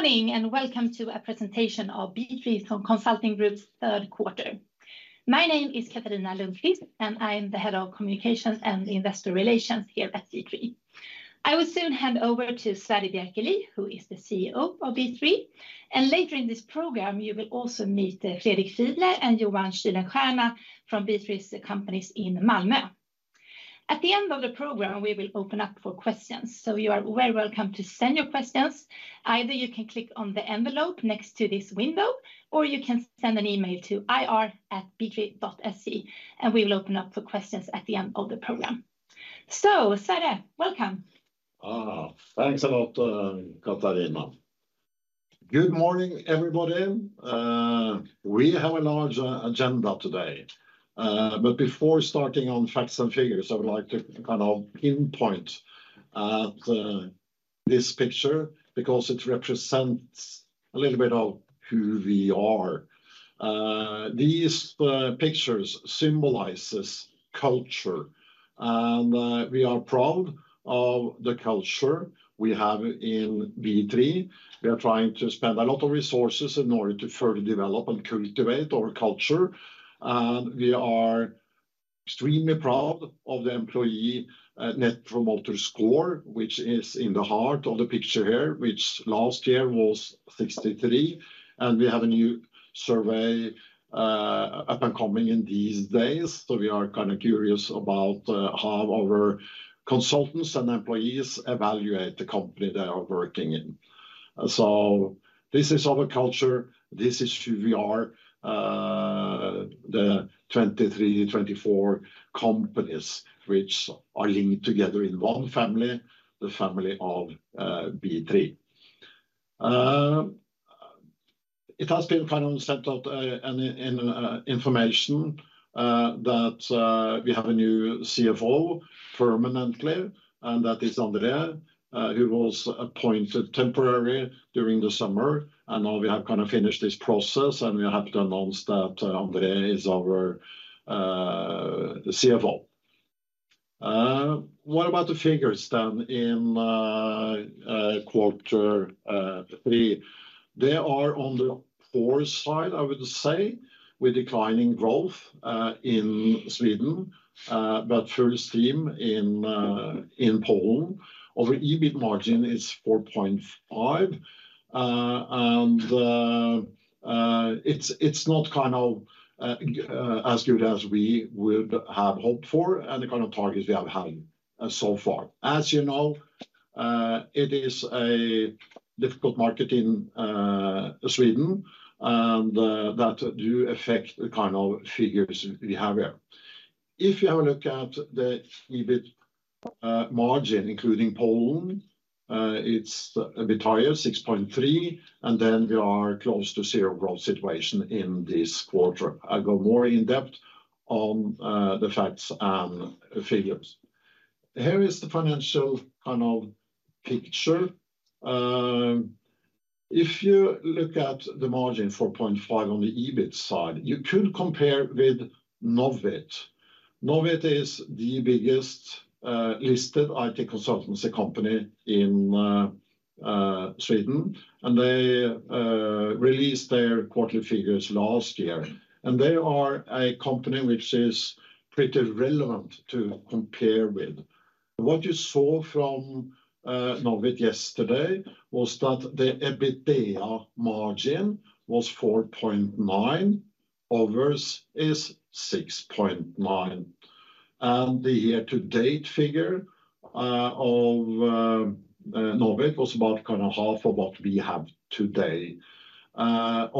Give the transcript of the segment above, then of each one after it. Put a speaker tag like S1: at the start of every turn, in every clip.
S1: Good morning, and welcome to a presentation of B3 Consulting Group's third quarter. My name is Katarina Lundqvist, and I'm the Head of Communications and Investor Relations here at B3. I will soon hand over to Sverre Bjerkeli, who is the CEO of B3, and later in this program, you will also meet Fredrik Fiedler and Johan Kuylenstierna from B3's companies in Malmö. At the end of the program, we will open up for questions, so you are very welcome to send your questions. Either you can click on the envelope next to this window, or you can send an email to ir@b3.se, and we will open up for questions at the end of the program. So, Sverre, welcome!
S2: Ah, thanks a lot, Katarina. Good morning, everybody. We have a large agenda today. But before starting on facts and figures, I would like to kind of pinpoint at this picture, because it represents a little bit of who we are. These pictures symbolizes culture, and we are proud of the culture we have in B3. We are trying to spend a lot of resources in order to further develop and cultivate our culture. And we are extremely proud of the employee Net Promoter Score, which is in the heart of the picture here, which last year was 63, and we have a new survey upcoming in these days. So we are kinda curious about how our consultants and employees evaluate the company they are working in. So this is our culture. This is who we are. The 23-24 companies, which are linked together in one family, the family of B3. It has been kind of sent out in information that we have a new CFO permanently, and that is Andrea, who was appointed temporarily during the summer, and now we have kind of finished this process, and we are happy to announce that Andrea is our CFO. What about the figures then in quarter three? They are on the poor side, I would say, with declining growth in Sweden, but full steam in Poland. Our EBIT margin is 4.5, and it's not kind of as good as we would have hoped for and the kind of targets we have had so far. As you know, it is a difficult market in Sweden, and that do affect the kind of figures we have here. If you have a look at the EBIT margin, including Poland, it's a bit higher, 6.3%, and then we are close to 0 growth situation in this quarter. I go more in depth on the facts and figures. Here is the financial kind of picture. If you look at the margin, 4.5% on the EBIT side, you could compare with Knowit. Knowit is the biggest listed IT consultancy company in Sweden, and they released their quarterly figures last year. They are a company which is pretty relevant to compare with. What you saw from Knowit yesterday was that the EBITDA margin was 4.9%, ours is 6.9%. The year-to-date figure of Knowit was about kind of half of what we have today. Our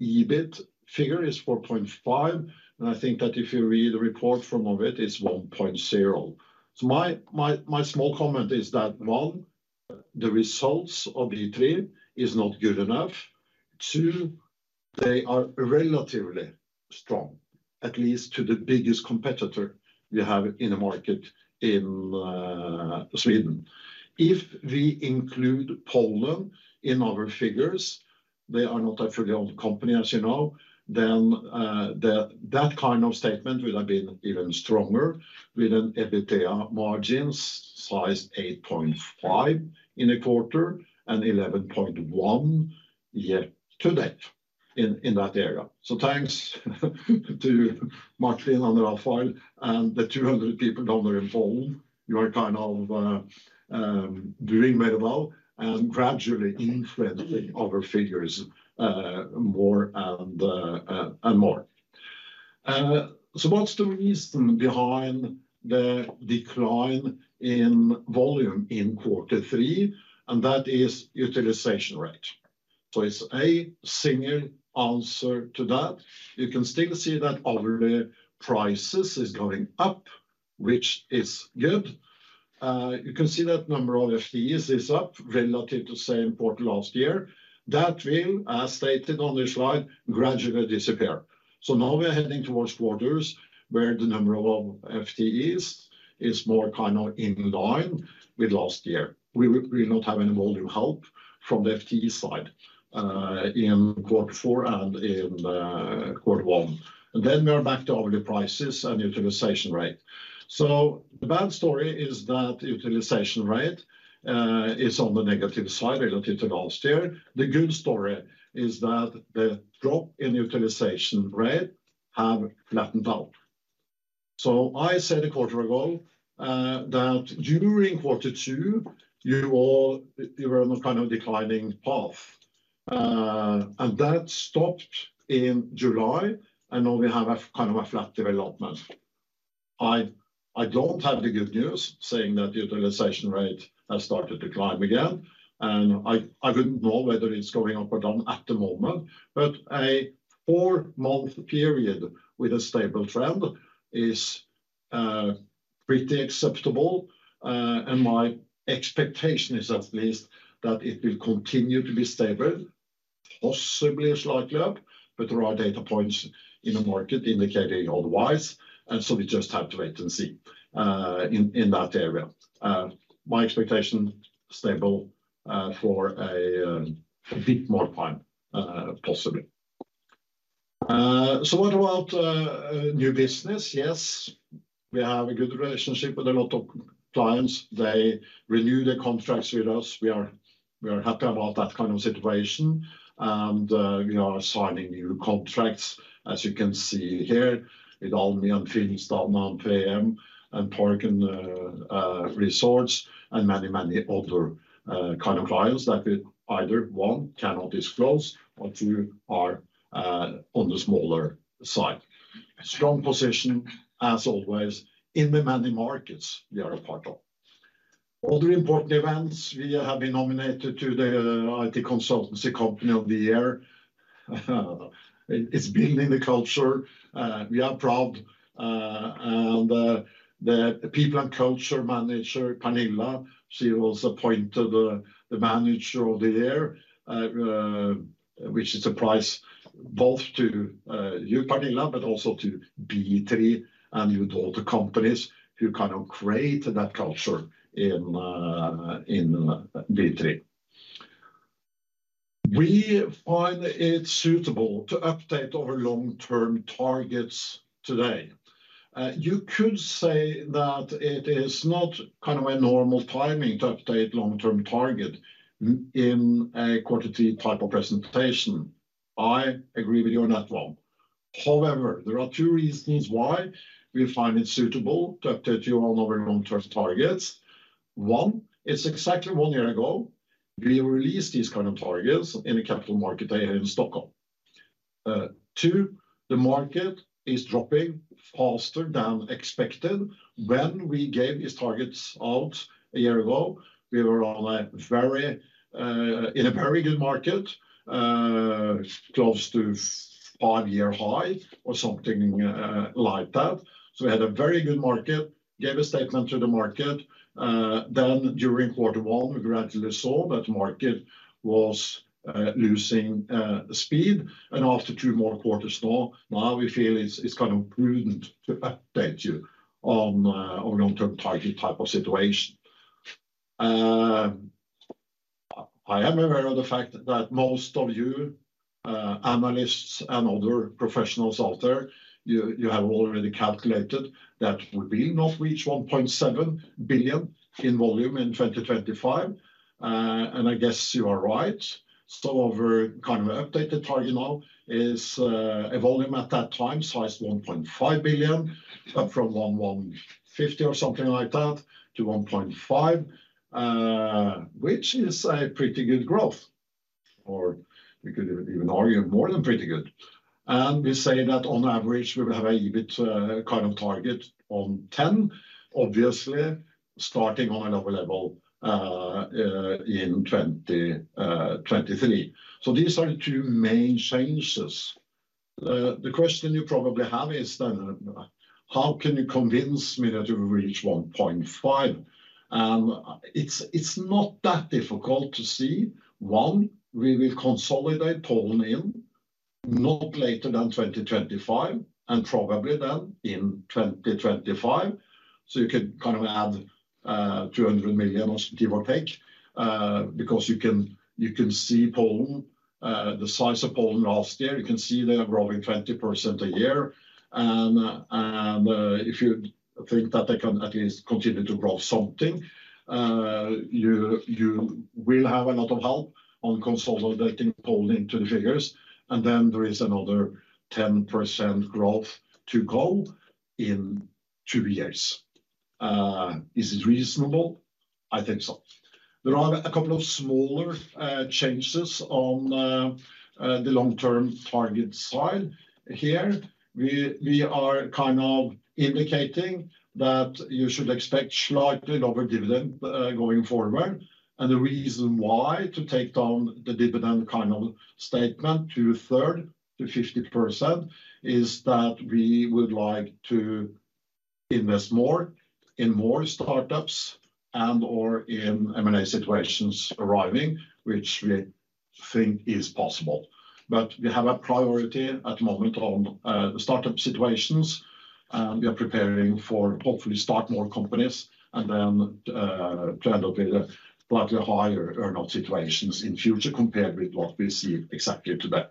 S2: EBIT figure is 4.5%, and I think that if you read the report from Knowit, it's 1.0%. So my small comment is that, one, the results of B3 is not good enough. Two, they are relatively strong, at least to the biggest competitor we have in the market in Sweden. If we include Poland in our figures, they are not a fully owned company, as you know, then that kind of statement would have been even stronger, with an EBITDA margins size 8.5% in a quarter and 11.1% year-to-date in that area. So thanks to Martin and Rafael and the 200 people down there in Poland, you are kind of doing very well and gradually influencing our figures more and more. So what's the reason behind the decline in volume in quarter three? And that is utilization rate. So it's a single answer to that. You can still see that our prices is going up, which is good. You can see that number of FTEs is up relative to same quarter last year. That will, as stated on this slide, gradually disappear. So now we are heading towards quarters where the number of FTEs is more kind of in line with last year. We will not have any volume help from the FTE side in quarter four and in quarter one. Then we are back to our prices and Utilization Rate. So the bad story is that Utilization Rate is on the negative side relative to last year. The good story is that the drop in Utilization Rate have flattened out. So I said a quarter ago that during quarter two, you all, you were on a kind of declining path. And that stopped in July, and now we have a kind of a flat development. I, I don't have the good news, saying that the Utilization Rate has started to climb again, and I, I wouldn't know whether it's going up or down at the moment, but a four-month period with a stable trend is pretty acceptable. My expectation is at least that it will continue to be stable, possibly slightly up, but there are data points in the market indicating otherwise, and so we just have to wait and see in that area. My expectation, stable, for a bit more time, possibly. So what about new business? Yes, we have a good relationship with a lot of clients. They renew their contracts with us. We are, we are happy about that kind of situation, and we are signing new contracts, as you can see here, with Almi and Finnsta, Nan PM and Parks and Resorts, and many, many other kind of clients that we either one cannot disclose, or two are on the smaller side. Strong position, as always, in the many markets we are a part of. Other important events, we have been nominated to the IT Consultancy Company of the Year. It's building the culture. We are proud, and the people and culture manager, Pernilla, she was appointed the manager of the year. Which is a prize both to you, Pernilla, but also to B3 and with all the companies who kind of create that culture in B3. We find it suitable to update our long-term targets today. You could say that it is not kind of a normal timing to update long-term target in a quarter three type of presentation. I agree with you on that one. However, there are two reasons why we find it suitable to update you on our long-term targets. One, it's exactly one year ago, we released these kind of targets in the capital market here in Stockholm. Two, the market is dropping faster than expected. When we gave these targets out a year ago, we were on a very, in a very good market, close to 5-year high or something, like that. So we had a very good market, gave a statement to the market. Then during quarter one, we gradually saw that market was, losing, speed, and after two more quarters slow, now we feel it's, it's kind of prudent to update you on, our long-term target type of situation. I am aware of the fact that most of you, analysts and other professionals out there, you, you have already calculated that we will not reach 1.7 billion in volume in 2025, and I guess you are right. So our kind of updated target now is, a volume at that time, size 1.5 billion, up from 1.15 billion or something like that, to 1.5 billion. Which is a pretty good growth, or we could even argue more than pretty good. And we say that on average, we will have a EBIT kind of target on 10%, obviously, starting on a lower level, in 2023. So these are the two main changes. The question you probably have is then, how can you convince me that you will reach one point five? And it's, it's not that difficult to see. One, we will consolidate Poland in not later than 2025, and probably then in 2025. So you could kind of add 200 million or give or take, because you can, you can see Poland, the size of Poland last year. You can see they are growing 20% a year, and, and, if you think that they can at least continue to grow something, you, you will have a lot of help on consolidating Poland into the figures. And then there is another 10% growth to go in two years. Is it reasonable? I think so. There are a couple of smaller changes on the long-term target side here. We, we are kind of indicating that you should expect slightly lower dividend going forward. The reason why to take down the dividend kind of statement to third, to 50%, is that we would like to invest more in more startups and or in M&A situations arriving, which we think is possible. But we have a priority at the moment on startup situations, and we are preparing for hopefully start more companies and then to end up with slightly higher earnout situations in future compared with what we see exactly today.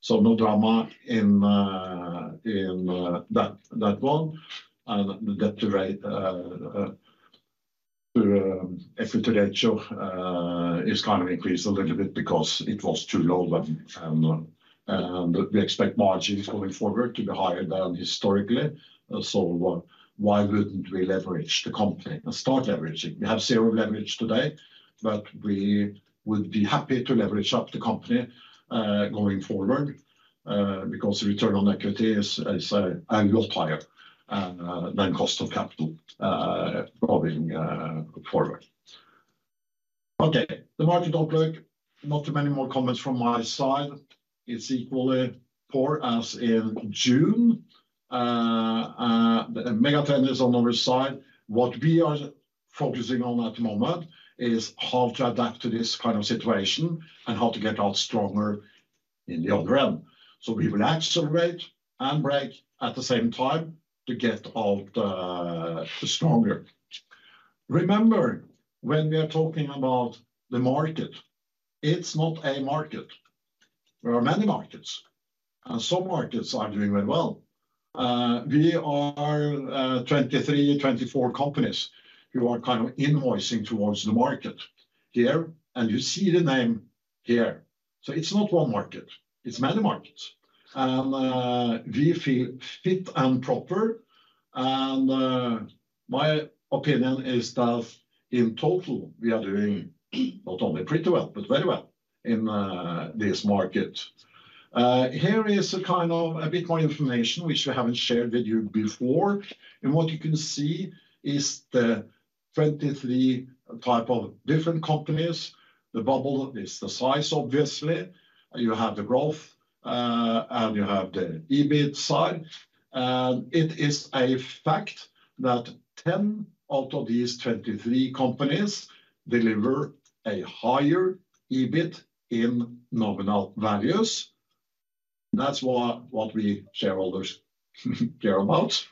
S2: So no drama in that one, and the EBIT ratio is kind of increased a little bit because it was too low then, and we expect margins going forward to be higher than historically. So why, why wouldn't we leverage the company and start leveraging? We have zero leverage today, but we would be happy to leverage up the company, going forward, because return on equity is a lot higher than cost of capital, going forward. Okay, the market outlook, not too many more comments from my side. It's equally poor as in June. The Megatrend is on the other side. What we are focusing on at the moment is how to adapt to this kind of situation, and how to get out stronger in the other end. So we will accelerate and brake at the same time to get out stronger. Remember, when we are talking about the market, it's not a market. There are many markets, and some markets are doing very well. We are 23, 24 companies who are kind of invoicing towards the market here, and you see the name here. So it's not one market, it's many markets. We feel fit and proper, and my opinion is that in total, we are doing not only pretty well, but very well in this market. Here is a kind of a bit more information, which we haven't shared with you before. And what you can see is the 23 type of different companies. The bubble is the size, obviously. You have the growth, and you have the EBIT side. And it is a fact that 10 out of these 23 companies deliver a higher EBIT in nominal values. That's what we shareholders care about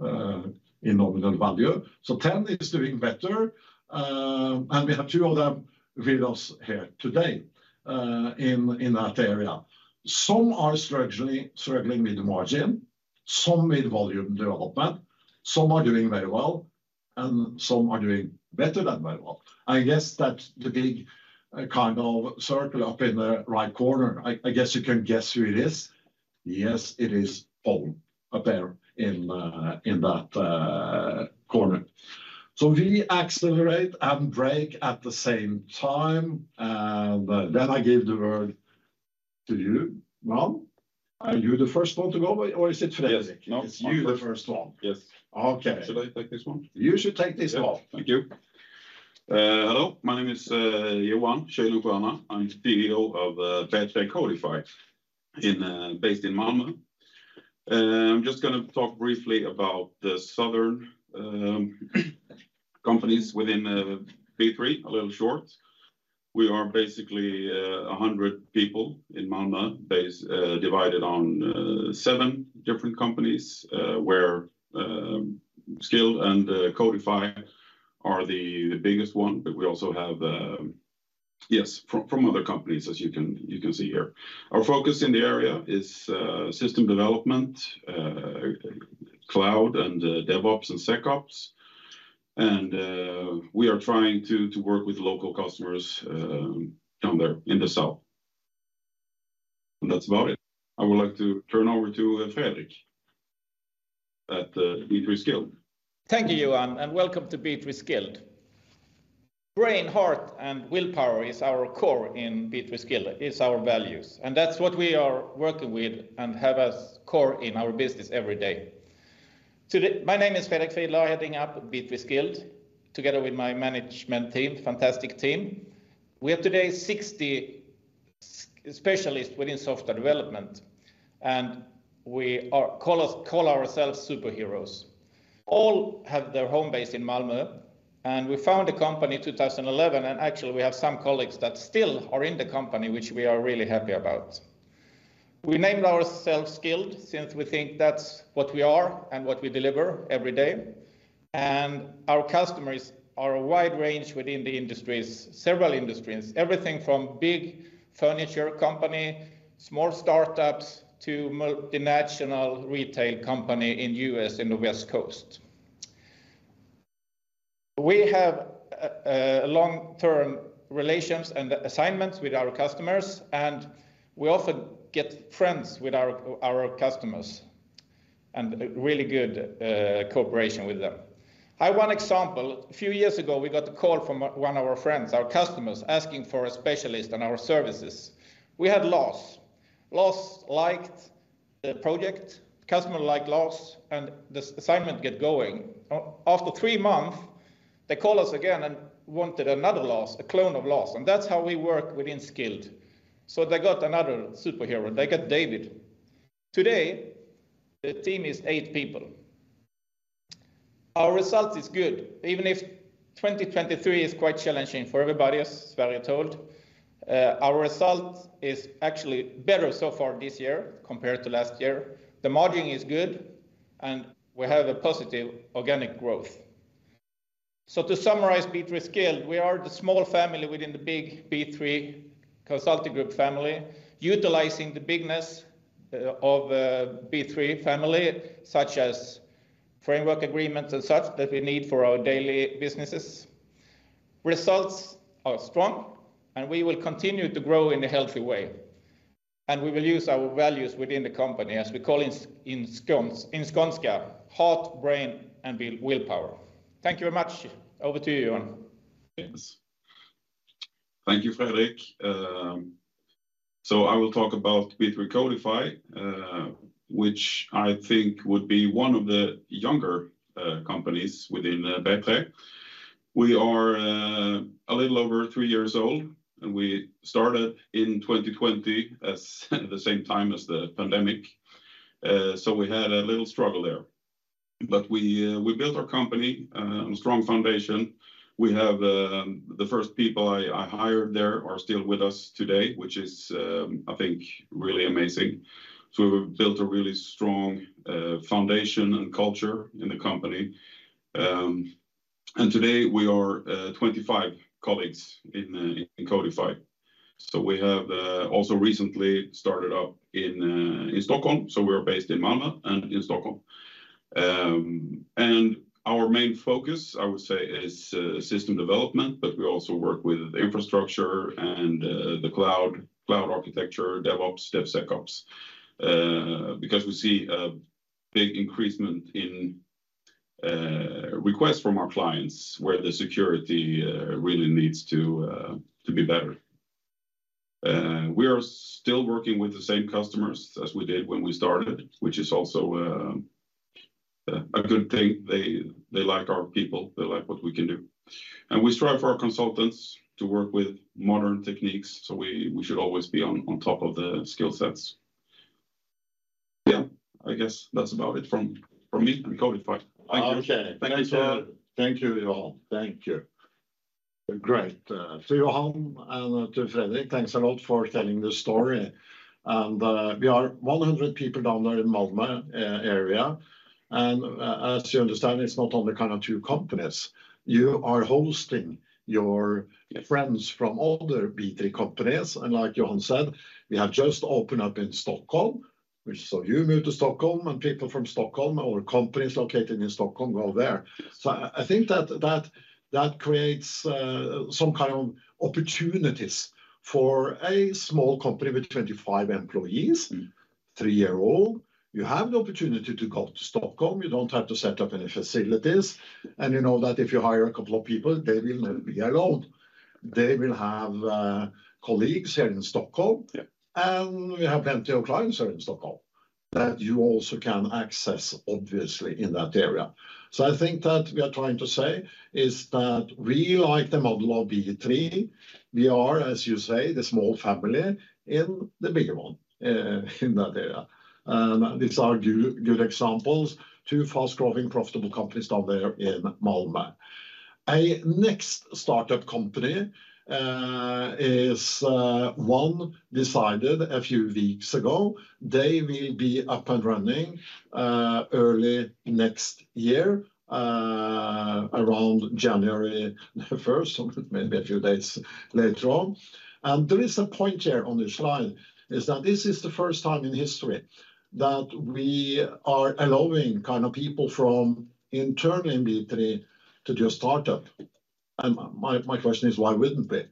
S2: in nominal value. So 10 is doing better, and we have two of them with us here today, in that area. Some are struggling, struggling with the margin, some with volume development, some are doing very well, and some are doing better than very well. I guess that's the big kind of circle up in the right corner. I guess you can guess who it is. Yes, it is Poland up there in that corner. So we accelerate and brake at the same time, and then I give the word to you. Well, are you the first one to go, or is it Fredrik?
S3: Yes.
S2: It's you, the first one.
S3: Yes.
S2: Okay.
S3: Should I take this one?
S2: You should take this one.
S3: Yep. Thank you. Hello, my name is Johan Kuylenstierna. I'm CEO of B3 Kodify based in Malmö. I'm just gonna talk briefly about the southern companies within B3, a little short. We are basically 100 people in Malmö, based, divided on 7 different companies, where Skilled and Codify are the biggest one, but we also have, yes, from other companies, as you can see here. Our focus in the area is system development, cloud, and DevOps and SecOps. We are trying to work with local customers down there in the south. That's about it. I would like to turn over to Fredrik at B3 Skilled.
S4: Thank you, Johan, and welcome to B3 Skilled. Brain, heart, and willpower is our core in B3 Skilled. It's our values, and that's what we are working with and have as core in our business every day. Today, my name is Fredrik Fiedler, heading up B3 Skilled, together with my management team, fantastic team. We have today 60 specialists within software development, and we are—call us, call ourselves superheroes. All have their home base in Malmö, and we found a company in 2011, and actually, we have some colleagues that still are in the company, which we are really happy about. We named ourselves Skilled since we think that's what we are and what we deliver every day, and our customers are a wide range within the industries, several industries. Everything from big furniture company, small startups, to multinational retail company in U.S., in the West Coast. We have long-term relations and assignments with our customers, and we often get friends with our customers, and a really good cooperation with them. I have one example. A few years ago, we got a call from one of our friends, our customers, asking for a specialist on our services. We had Lars. Lars liked the project, customer liked Lars, and the assignment get going. After three months, they call us again and wanted another Lars, a clone of Lars, and that's how we work within Skilled. So they got another superhero, they got David. Today, the team is eight people. Our result is good, even if 2023 is quite challenging for everybody, as Sverre told. Our result is actually better so far this year compared to last year. The margin is good, and we have a positive organic growth. So to summarize B3 Skilled, we are the small family within the big B3 Consulting Group family, utilizing the bigness of B3 family, such as framework agreements and such that we need for our daily businesses. Results are strong, and we will continue to grow in a healthy way, and we will use our values within the company, as we call in Skånska, heart, brain, and will, willpower. Thank you very much. Over to you, Johan.
S3: Yes. Thank you, Fredrik. So I will talk about B3 Kodify, which I think would be one of the younger companies within B3. We are a little over three years old, and we started in 2020 as the same time as the pandemic. So we had a little struggle there. But we built our company on strong foundation. We have the first people I hired there are still with us today, which is I think really amazing. So we've built a really strong foundation and culture in the company. And today, we are 25 colleagues in Kodify. So we have also recently started up in Stockholm, so we're based in Malmö and in Stockholm. And our main focus, I would say, is system development, but we also work with infrastructure and the cloud, cloud architecture, DevOps, DevSecOps, because we see a big increase in requests from our clients where the security really needs to to be better. We are still working with the same customers as we did when we started, which is also a good thing. They, they like our people, they like what we can do. And we strive for our consultants to work with modern techniques, so we, we should always be on, on top of the skill sets. Yeah, I guess that's about it from, from me and Kodify. Thank you.
S2: Okay. Thank you, sir. Thank you, Johan. Thank you. Great, to Johan and to Fredrik, thanks a lot for telling the story. And, we are 100 people down there in Malmö area, and as you understand, it's not only kind of two companies. You are hosting your friends from other B3 companies, and like Johan said, we have just opened up in Stockholm, which... So you move to Stockholm, and people from Stockholm or companies located in Stockholm go there. So I think that creates some kind of opportunities for a small company with 25 employees- 3-year-old. You have the opportunity to go to Stockholm. You don't have to set up any facilities, and you know that if you hire a couple of people, they will not be alone. They will have colleagues here in Stockholm.
S3: Yeah.
S2: And we have plenty of clients here in Stockholm, that you also can access, obviously, in that area. So I think that we are trying to say is that we like the model of B3. We are, as you say, the small family in the bigger one, in that area. And these are good, good examples, two fast-growing, profitable companies down there in Malmö. A next startup company, is, one decided a few weeks ago. They will be up and running, early next year, around January first, maybe a few days later on. And there is a point here on this slide, is that this is the first time in history that we are allowing kind of people from internally in B3 to do a startup. And my, my question is: Why wouldn't we?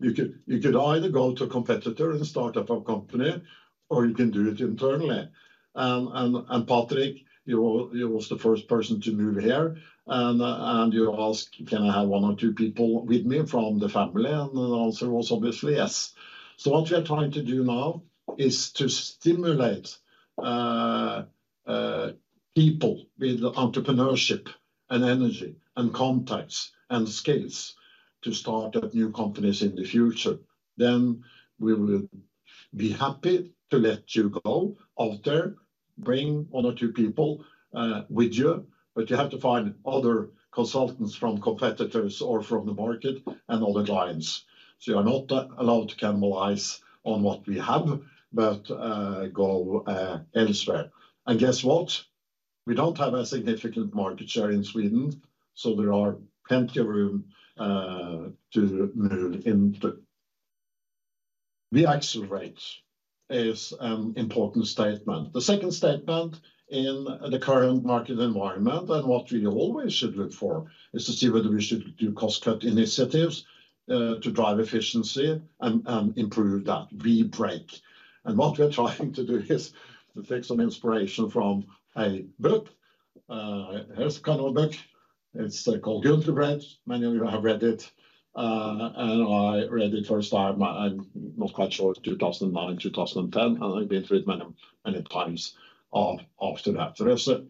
S2: You could either go to a competitor and start up a company, or you can do it internally. And Patrik, you was the first person to move here, and you ask, "Can I have one or two people with me from the family?" And the answer was obviously, "Yes." So what we are trying to do now is to stimulate people with entrepreneurship and energy and contacts and skills to start up new companies in the future. Then we will be happy to let you go out there, bring one or two people with you, but you have to find other consultants from competitors or from the market and other clients. So you are not allowed to cannibalize on what we have, but go elsewhere. And guess what? We don't have a significant market share in Sweden, so there are plenty of room to move into. We accelerate is an important statement. The second statement in the current market environment, and what we always should look for, is to see whether we should do cost-cut initiatives to drive efficiency and improve that. We break. And what we are trying to do is to take some inspiration from a book, here's the kind of book. It's called Good to Great. Many of you have read it, and I read it first time, I'm not quite sure, 2009, 2010, and I've been through it many, many times after that. There's a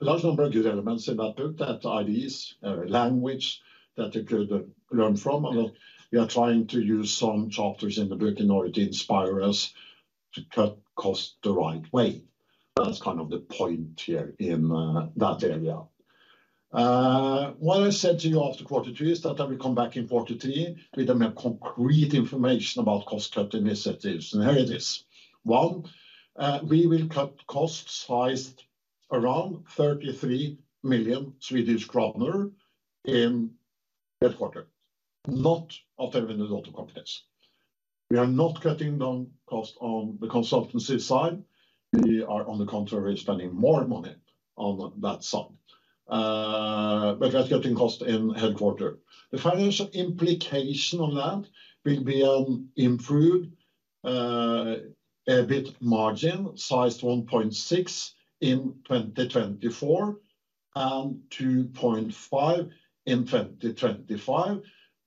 S2: large number of good elements in that book, that ideas, language that you could learn from. And we are trying to use some chapters in the book in order to inspire us to cut cost the right way. That's kind of the point here in that area. What I said to you after quarter two is that I will come back in quarter three with a more concrete information about cost-cut initiatives, and here it is. One, we will cut costs sized around 33 million Swedish kronor in headquarters, not of the other companies. We are not cutting down cost on the consultancy side. We are, on the contrary, spending more money on that side. But that's cutting cost in headquarters. The financial implication on that will be, improved, a bit margin, sized 1.6 in 2024, and 2.5 in 2025,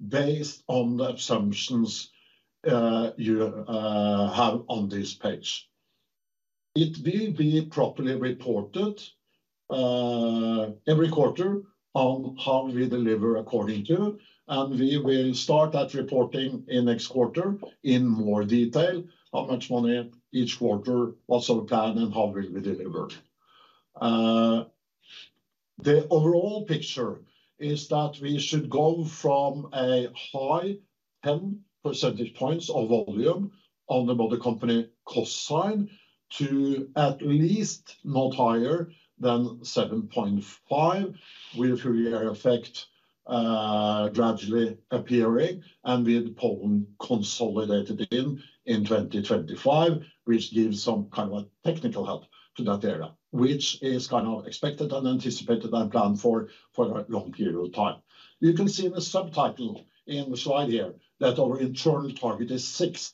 S2: based on the assumptions, you have on this page. It will be properly reported every quarter on how we deliver according to, and we will start that reporting in next quarter in more detail. How much money each quarter, what's our plan, and how will we deliver it? The overall picture is that we should go from a high 10 percentage points of volume on the mother company cost side, to at least not higher than 7.5, with full year effect gradually appearing and with Poland consolidated in 2025, which gives some kind of a technical help to that area, which is kind of expected and anticipated and planned for a long period of time. You can see the subtitle in the slide here, that our internal target is 6.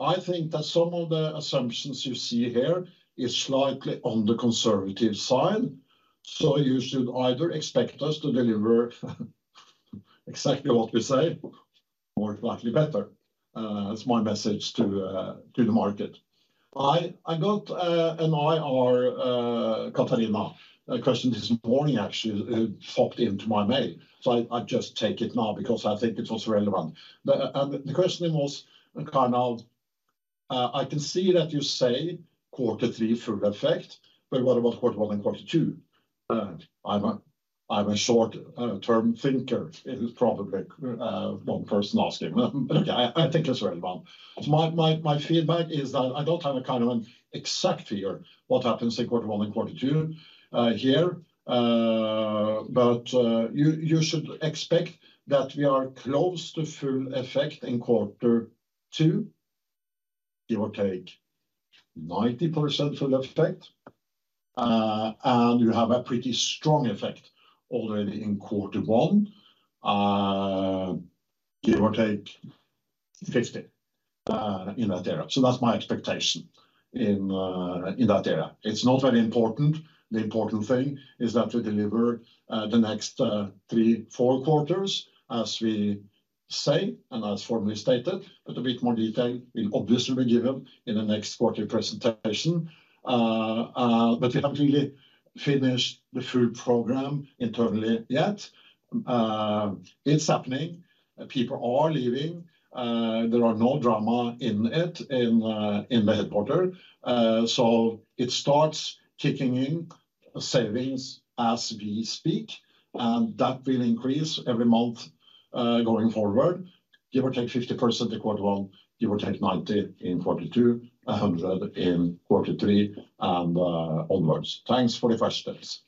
S2: I think that some of the assumptions you see here is slightly on the conservative side, so you should either expect us to deliver exactly what we say, or likely better. That's my message to the market. I got an IR, Katarina, a question this morning, actually, it popped into my mail, so I just take it now because I think it's also relevant. The questioning was kind of, I can see that you say quarter three full effect, but what about quarter one and quarter two? I'm a short term thinker, is probably one person asking, but I think it's relevant. My feedback is that I don't have a kind of an exact figure what happens in quarter one and quarter two, here. But you should expect that we are close to full effect in quarter two, give or take 90% full effect. And you have a pretty strong effect already in quarter one, give or take 50%, in that area. So that's my expectation in that area. It's not very important. The important thing is that we deliver the next 3, 4 quarters, as we say, and as formally stated, but a bit more detail will obviously be given in the next quarter presentation. But we haven't really finished the full program internally yet. It's happening. People are leaving. There are no drama in it, in the headquarters. So it starts kicking in savings as we speak, and that will increase every month, going forward. Give or take 50% in quarter one, give or take 90 in quarter two, 100 in quarter three, and onwards. Thanks for the questions.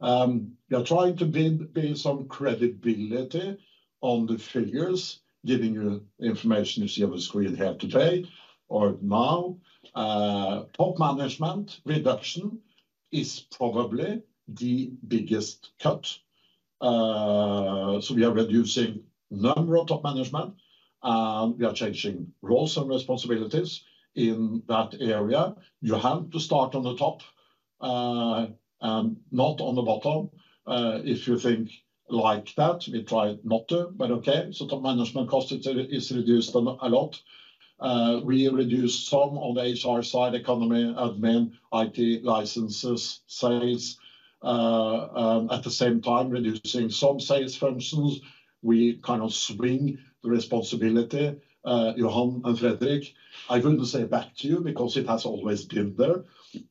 S2: We are trying to build some credibility on the figures, giving you information you see on the screen here today or now. Top management reduction is probably the biggest cut. So we are reducing number of top management, and we are changing roles and responsibilities in that area. You have to start on the top, and not on the bottom. If you think like that, we try not to, but okay. So top management cost is reduced a lot. We reduce some on the HR side, economy, admin, IT, licenses, sales, at the same time, reducing some sales functions. We kind of swing the responsibility. Johan and Fredrik, I wouldn't say back to you, because it has always been there.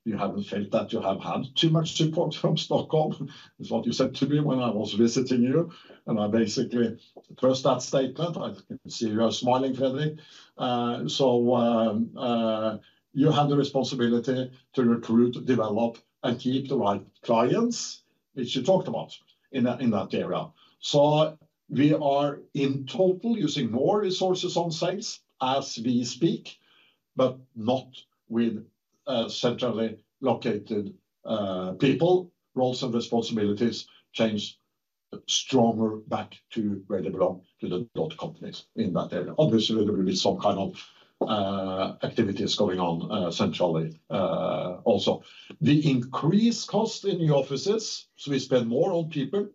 S2: You haven't felt that you have had too much support from Stockholm, is what you said to me when I was visiting you, and I basically trust that statement. I can see you are smiling, Fredrik. So, you have the responsibility to recruit, develop and keep the right clients, which you talked about in that area. So we are in total using more resources on sales as we speak, but not with centrally located people. Roles and responsibilities change stronger back to where they belong, to the daughter companies in that area. Obviously, there will be some kind of activities going on centrally. Also, we increase cost in the offices, so we spend more on people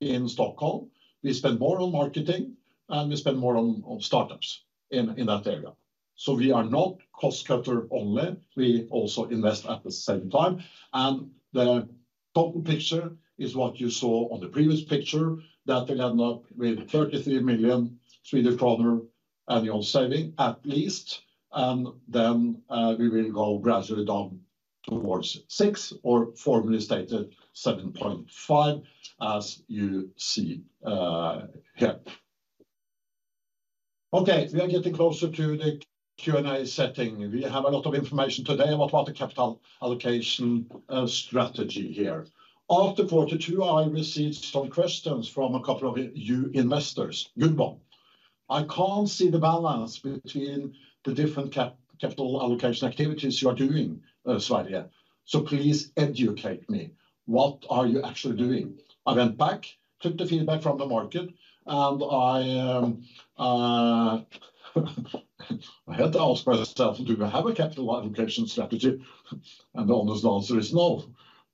S2: in Stockholm, we spend more on marketing, and we spend more on startups in that area. So we are not cost cutter only, we also invest at the same time. And the total picture is what you saw on the previous picture, that we'll end up with 33 million Swedish kronor annual saving at least, and then we will go gradually down towards 6 or formally stated 7.5, as you see here. Okay, we are getting closer to the Q&A setting. We have a lot of information today about the capital allocation strategy here. After quarter two, I received some questions from a couple of you investors. Good one: "I can't see the balance between the different capital allocation activities you are doing, Sverre. So please educate me. What are you actually doing?" I went back, took the feedback from the market, and I had to ask myself, "Do we have a capital allocation strategy?" The honest answer is no.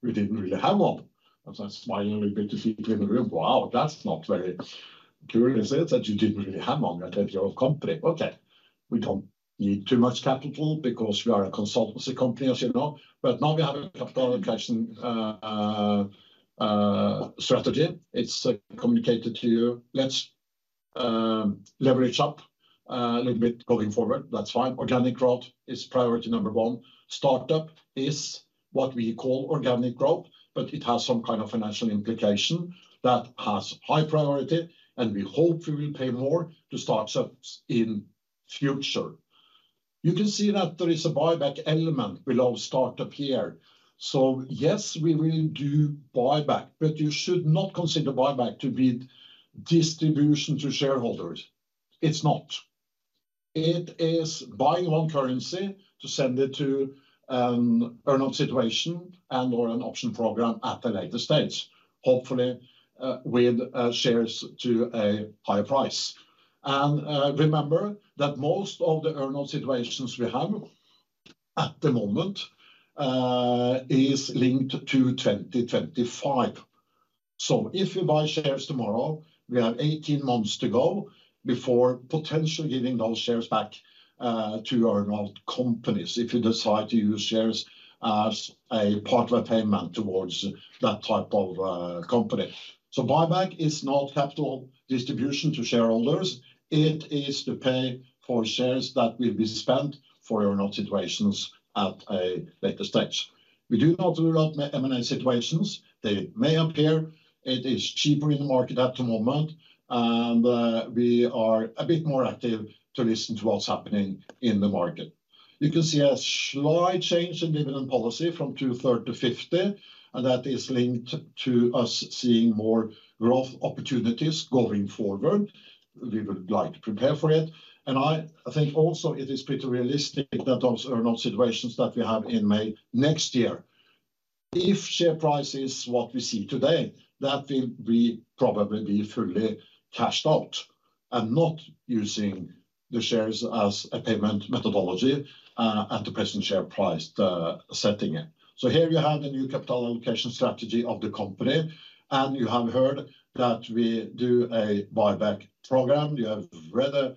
S2: We didn't really have one. I smiled a little bit to people in the room. Wow, that's not very good, is it, that you didn't really have one at your company? Okay, we don't need too much capital because we are a consultancy company, as you know. But now we have a capital allocation strategy. It's communicated to you. Let's leverage up a little bit going forward. That's fine. Organic growth is priority number one. Startup is what we call organic growth, but it has some kind of financial implication that has high priority, and we hope we will pay more to start-ups in future. You can see that there is a buyback element below startup here. So yes, we will do buyback, but you should not consider buyback to be distribution to shareholders. It's not. It is buying own currency to send it to, earn-out situation and or an option program at a later stage, hopefully, with shares to a higher price. And, remember that most of the earn-out situations we have at the moment, is linked to 2025. So if you buy shares tomorrow, we have 18 months to go before potentially giving those shares back to earn-out companies, if you decide to use shares as a part of a payment towards that type of company. So buyback is not capital distribution to shareholders; it is to pay for shares that will be spent for earn-out situations at a later stage. We do not do a lot M&A situations. They may appear; it is cheaper in the market at the moment, and we are a bit more active to listen to what's happening in the market. You can see a slight change in dividend policy from two-thirds to 50, and that is linked to us seeing more growth opportunities going forward. We would like to prepare for it, and I think also it is pretty realistic that those earn-out situations that we have in May next year. If share price is what we see today, that will probably be fully cashed out and not using the shares as a payment methodology at the present share price setting it. So here you have the new capital allocation strategy of the company, and you have heard that we do a buyback program. You have read a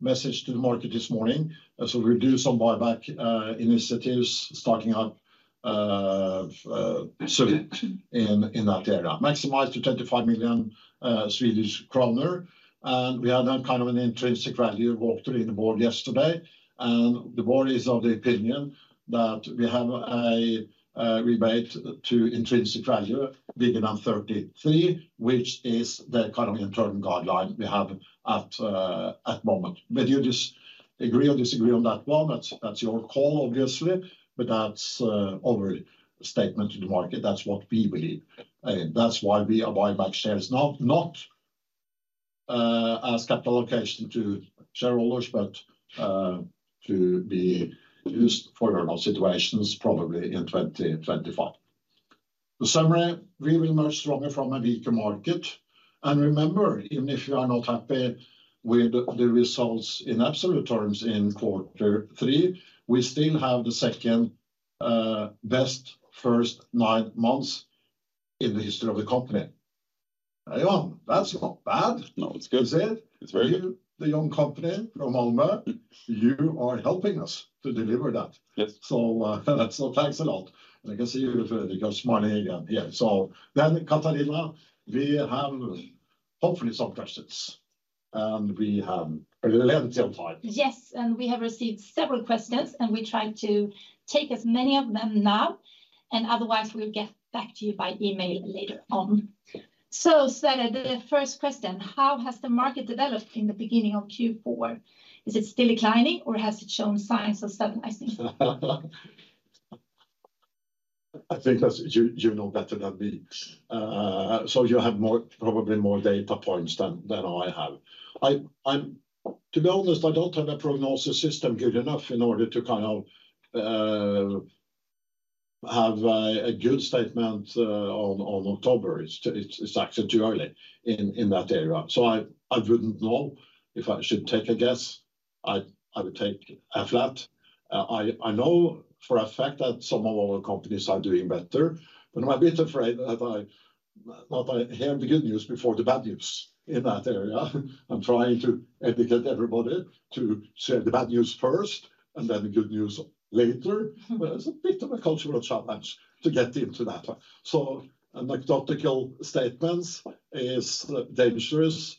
S2: message to the market this morning, so we'll do some buyback initiatives starting up soon in that area. Maximized to 25 million Swedish kronor, and we have done kind of an intrinsic value walkthrough in the board yesterday. The board is of the opinion that we have a rebate to intrinsic value bigger than 33, which is the kind of internal guideline we have at the moment. Whether you disagree or agree on that one, that's your call, obviously, but that's our statement to the market. That's what we believe, and that's why we are buyback shares. Not as capital allocation to shareholders, but to be used for earn-out situations, probably in 2025. The summary, we will emerge stronger from a weaker market. And remember, even if you are not happy with the results in absolute terms in quarter three, we still have the second best first 9 months in the history of the company. Hey, John, that's not bad.
S3: No, it's good.
S2: You see it?
S3: It's very-
S2: You, the young company from Almi, you are helping us to deliver that.
S3: Yes.
S2: Thanks a lot. I can see you, Fredrik, are smiling again. Yeah. Then, Katarina, we have hopefully some questions, and we have a little time.
S1: Yes, and we have received several questions, and we try to take as many of them now, and otherwise, we'll get back to you by email later on. So Sverre, the first question: How has the market developed in the beginning of Q4? Is it still declining, or has it shown signs of stabilizing?
S2: I think that you, you know better than me. So you have more, probably more data points than I have. To be honest, I don't have a prognosis system good enough in order to kind of have a good statement on October. It's actually too early in that area. So I wouldn't know. If I should take a guess, I would take a flat. I know for a fact that some of our companies are doing better, but I'm a bit afraid that I hear the good news before the bad news in that area. I'm trying to educate everybody to share the bad news first and then the good news later. But it's a bit of a cultural challenge to get into that. So anecdotal statements is dangerous.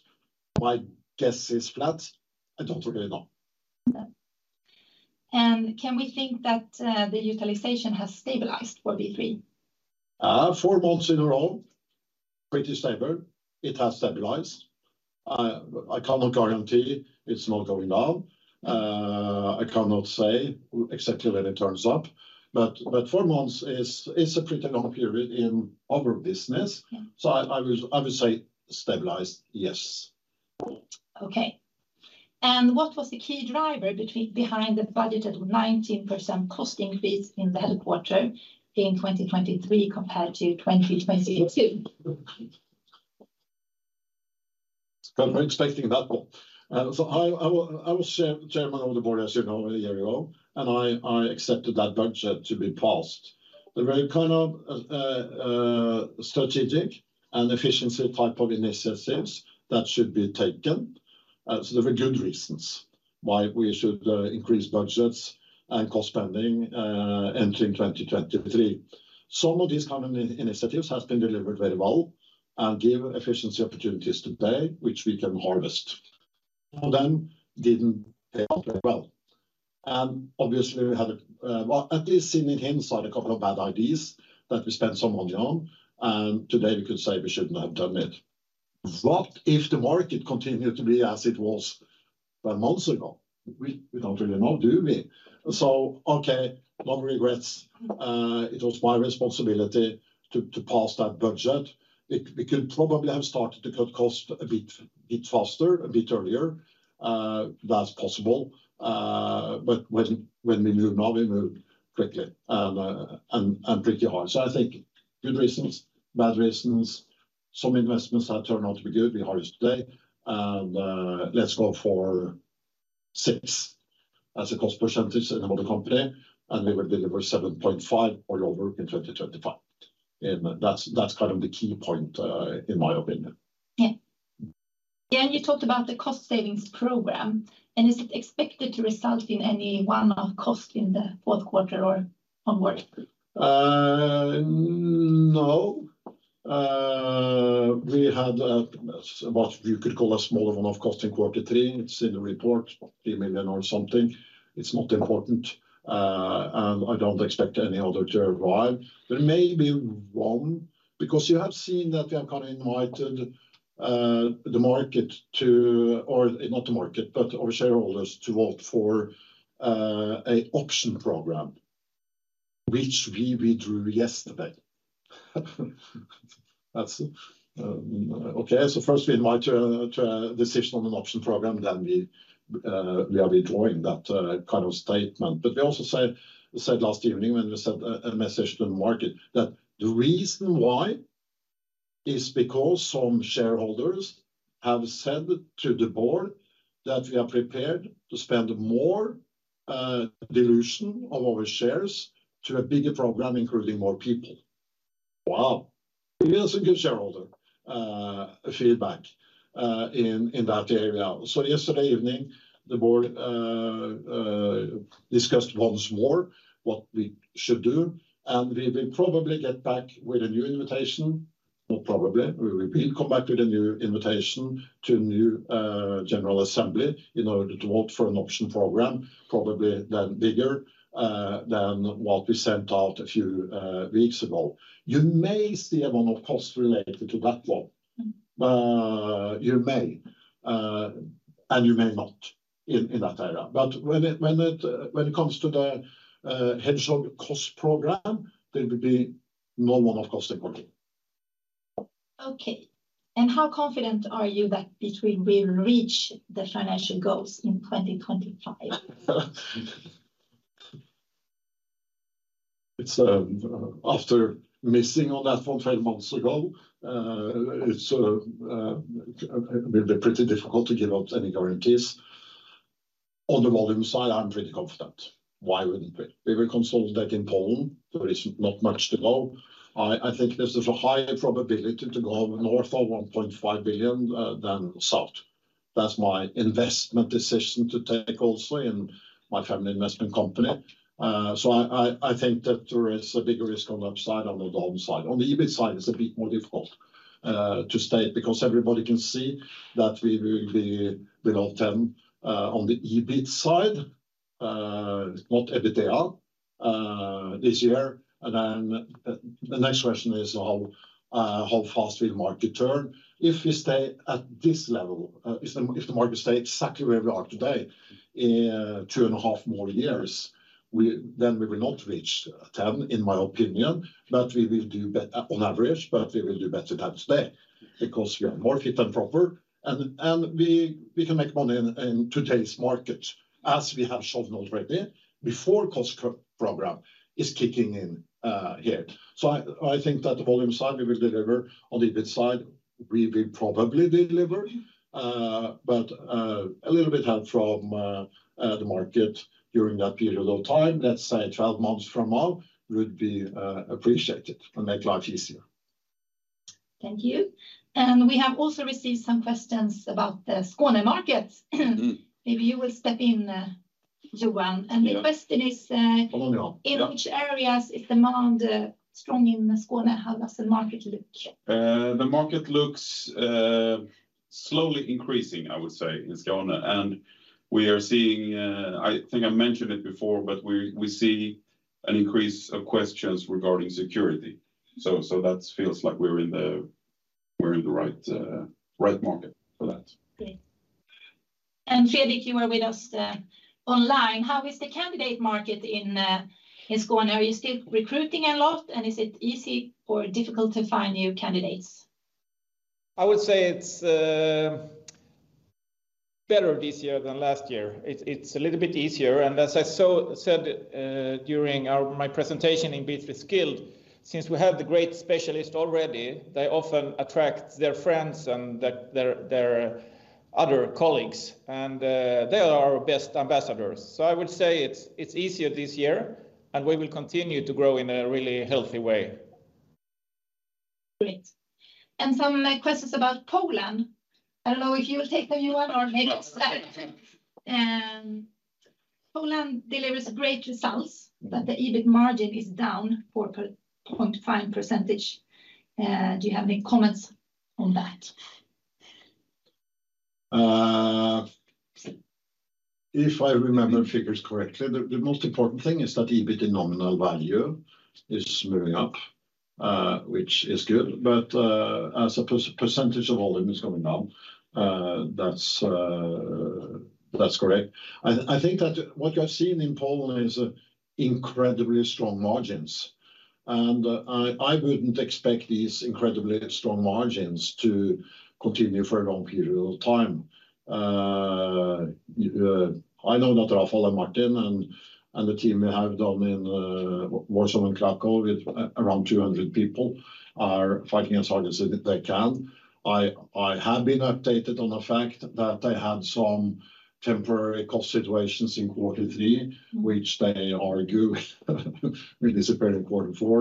S2: My guess is flat. I don't really know.
S1: Okay. Can we think that the utilization has stabilized for B3?
S2: Four months in a row, pretty stable. It has stabilized. I cannot guarantee it's not going down. I cannot say exactly when it turns up, but four months is a pretty long period in our business.
S1: Yeah.
S2: So, I would say stabilized, yes.
S1: Okay. And what was the key driver behind the budgeted 19% cost increase in the third quarter in 2023 compared to 2022?
S2: Well, we're expecting that one. So I was chairman of the board, as you know, a year ago, and I accepted that budget to be passed. There were kind of strategic and efficiency type of initiatives that should be taken. So there were good reasons why we should increase budgets and cost spending entering 2023. Some of these kind of initiatives has been delivered very well and give efficiency opportunities today, which we can harvest. Some of them didn't pay off very well, and obviously, we had a well, at least seen in hindsight, a couple of bad ideas that we spent some money on, and today we could say we shouldn't have done it. What if the market continued to be as it was a few months ago? We don't really know, do we? So, okay, no regrets. It was my responsibility to pass that budget. We could probably have started to cut cost a bit faster, a bit earlier. That's possible. But when we move now, we move quickly and pretty hard. So I think good reasons, bad reasons. Some investments have turned out to be good. We harvest today, and let's go for 6% as a cost percentage in the mother company, and we will deliver 7.5% or lower in 2025. And that's kind of the key point in my opinion.
S1: Yeah. Then you talked about the cost savings program, and is it expected to result in any one-off cost in the fourth quarter or onwards?
S2: No. We had what you could call a smaller one-off cost in quarter three. It's in the report, 1 million or something. It's not important, and I don't expect any other to arrive. There may be one, because you have seen that we have kind of invited the market to, or not the market, but our shareholders to vote for a option program, which we withdrew yesterday. That's okay. So first we invite to a decision on an option program, then we are withdrawing that kind of statement. But we also said last evening when we sent a message to the market, that the reason why is because some shareholders have said to the board that we are prepared to spend more dilution of our shares to a bigger program, including more people. Wow! We have some good shareholder feedback in that area. So yesterday evening, the board discussed once more what we should do, and we will probably get back with a new invitation. Well, probably, we will come back with a new invitation to a new general assembly in order to vote for an option program, probably then bigger than what we sent out a few weeks ago. You may see a one-off cost related to that one. You may, and you may not in that area, but when it comes to the Hedgehog cost program, there will be no one-off cost involved.
S1: Okay, how confident are you that we reach the financial goals in 2025?
S2: It's after missing on that for 12 months ago, it's pretty difficult to give out any guarantees. On the volume side, I'm pretty confident. Why wouldn't we? We will consolidate in Poland. There is not much to know. I think there's a high probability to go north of 1.5 billion than south. That's my investment decision to take also in my family investment company. So I think that there is a big risk on the upside, on the downside. On the EBIT side, it's a bit more difficult to state, because everybody can see that we will be below SEK 10 on the EBIT side, not EBITDA, this year. Then the next question is how fast will market turn? If we stay at this level, if the market stay exactly where we are today, in 2.5 more years, we then we will not reach 10, in my opinion, but we will do better on average, but we will do better than today, because we are more fit and proper, and we can make money in today's market, as we have shown already before cost control program is kicking in, here. So I think that the volume side, we will deliver. On the EBIT side, we will probably deliver, but a little bit help from the market during that period of time, let's say 12 months from now, would be appreciated and make life easier.
S1: Thank you. We have also received some questions about the Skåne market. Maybe you will step in, Johan.
S3: Yeah.
S1: The question is,
S3: Oh, yeah
S1: in which areas is demand strong in the Skåne? How does the market look?
S3: The market looks slowly increasing, I would say, in Skåne. And we are seeing, I think I mentioned it before, but we see-
S2: an increase of questions regarding security. So, that feels like we're in the right market for that.
S1: Great. Fredrik, you are with us, online. How is the candidate market in Skåne? Are you still recruiting a lot, and is it easy or difficult to find new candidates?
S4: I would say it's better this year than last year. It's a little bit easier, and as I said during our, my presentation in B3 Skilled, since we have the great specialist already, they often attract their friends and their other colleagues, and they are our best ambassadors. So I would say it's easier this year, and we will continue to grow in a really healthy way.
S1: Great. Some questions about Poland. I don't know if you will take them, Johan, or maybe-
S2: No.
S1: Poland delivers great results. But the EBIT margin is down 4.5%. Do you have any comments on that?
S2: If I remember the figures correctly, the most important thing is that EBIT in nominal value is moving up, which is good. But as a percentage of volume is going down. That's correct. I think that what you have seen in Poland is incredibly strong margins, and I wouldn't expect these incredibly strong margins to continue for a long period of time. I know that Rafael and Martin and the team we have down in Warsaw and Kraków, with around 200 people, are fighting as hard as they can. I have been updated on the fact that they had some temporary cost situations in quarter three- -which they argue, really disappeared in quarter four.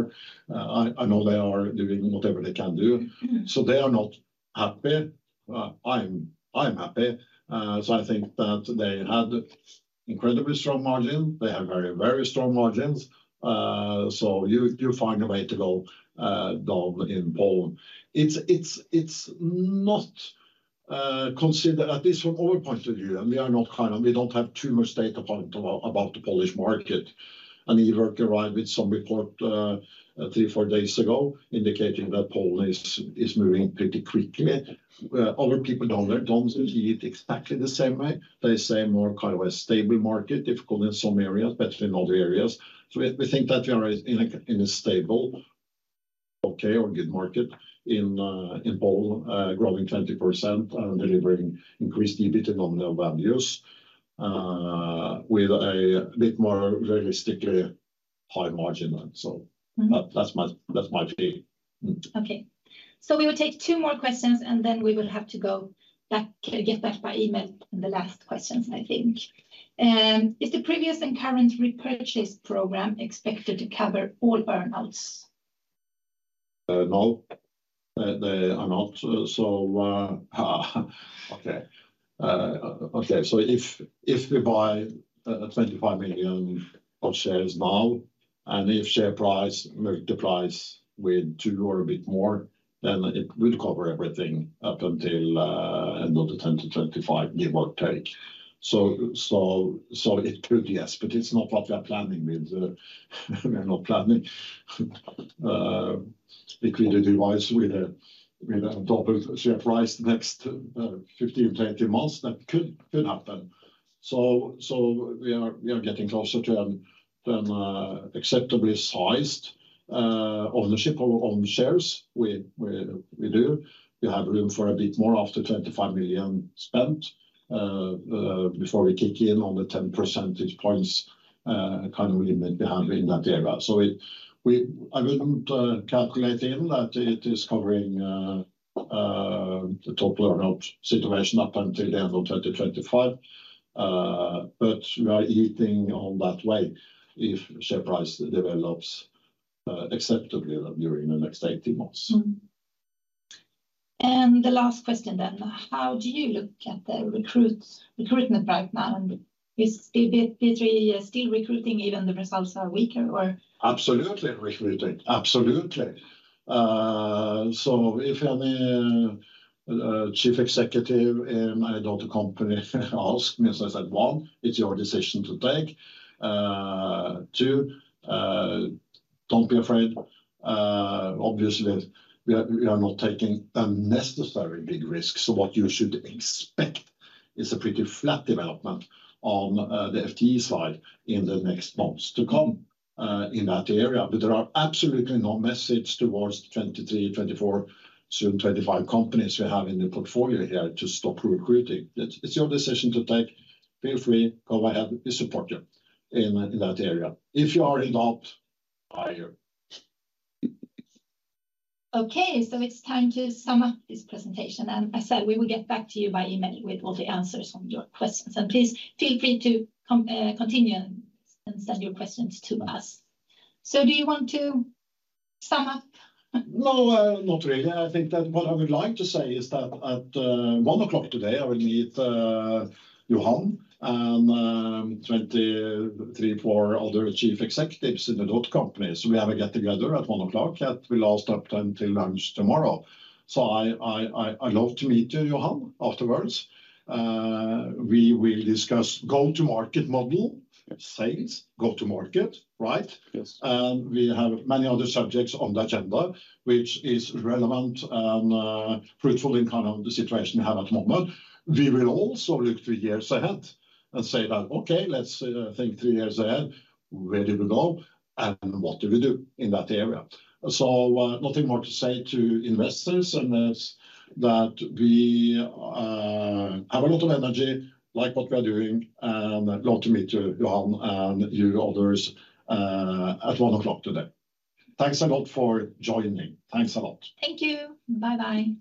S2: I know they are doing whatever they can do. So they are not happy. I'm happy. So I think that they had incredibly strong margin. They have very, very strong margins. So you find a way to go down in Poland. It's not considered, at least from our point of view, and we are not kind of we don't have too much data point about the Polish market. And Ivor arrived with some report three, four days ago, indicating that Poland is moving pretty quickly. Other people down there don't see it exactly the same way. They say more kind of a stable market, difficult in some areas, better in other areas. So we, we think that we are in a, in a stable, okay, or good market in Poland, growing 20% and delivering increased EBIT nominal values, with a bit more realistically high margin. So- But that's my, that's my view.
S1: Okay. So we will take two more questions, and then we will have to go back, get back by email on the last questions, I think. Is the previous and current repurchase program expected to cover all earn-outs?
S2: No, they are not. So, okay. Okay, so if we buy 25 million of shares now, and if share price multiplies with 2 or a bit more, then it will cover everything up until end of the 10-25, give or take. So, it could, yes, but it's not what we are planning with. We are not planning between the device with a, with a double share price the next 15-20 months. That could happen. So, we are getting closer to an acceptably sized ownership on shares. We do. We have room for a bit more after 25 million spent, before we kick in on the 10 percentage points kind of limit we have in that area. I wouldn't calculate in that it is covering the total earn-out situation up until the end of 2025. But we are heading on that way if share price develops acceptably during the next 18 months.
S1: And the last question then: How do you look at the recruitment right now, and is B3 still recruiting, even the results are weaker, or?
S2: Absolutely, recruiting. Absolutely. So if any chief executive in my daughter company ask me, as I said, "One, it's your decision to take. Two, don't be afraid." Obviously, we are, we are not taking unnecessary big risks, so what you should expect is a pretty flat development on the FTE side in the next months to come, in that area. But there are absolutely no message towards the 23, 24, soon 25 companies we have in the portfolio here to stop recruiting. It's, it's your decision to take. Feel free. Go ahead. We support you in, in that area. If you are in doubt, hire.
S1: Okay, so it's time to sum up this presentation, and I said we will get back to you by email with all the answers on your questions. Please feel free to continue and send your questions to us. Do you want to sum up?
S2: No, not really. I think that what I would like to say is that at 1:00 P.M. today, I will meet Johan and 23, 4 other chief executives in the dot company. So we have a get-together at 1:00 P.M., and we last up until lunch tomorrow. So I love to meet you, Johan, afterwards. We will discuss go-to-market model-
S1: Yes
S2: sales, go to market, right?
S1: Yes.
S2: We have many other subjects on the agenda, which is relevant and fruitful in kind of the situation we have at the moment. We will also look three years ahead and say that, "Okay, let's think three years ahead. Where do we go, and what do we do in that area?" So, nothing more to say to investors, and as that, we have a lot of energy, like what we are doing, and glad to meet you, Johan, and you others at 1:00 P.M. today. Thanks a lot for joining. Thanks a lot.
S1: Thank you. Bye bye.